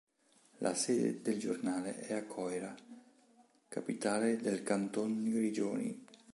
La sede del giornale è a Coira, capitale del Canton Grigioni.